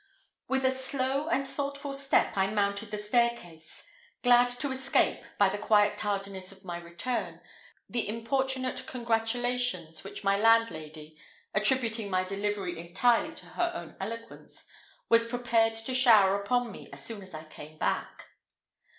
With a slow and thoughtful step I mounted the staircase, glad to escape, by the quiet tardiness of my return, the importunate congratulations which my landlady, attributing my delivery entirely to her own eloquence, was prepared to shower upon me as soon as I came back.